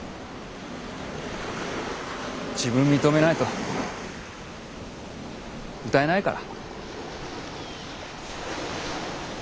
自分認めないと歌えないから。